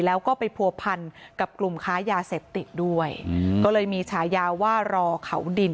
แล้วก็ไปผัวพันกับกลุ่มค้ายาเสพติดด้วยอืมก็เลยมีฉายาว่ารอเขาดิน